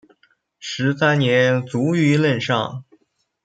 十三年卒于任上。